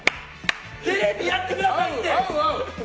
テレビ、やってくださいって！